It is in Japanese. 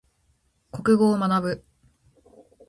国語を学ぶ。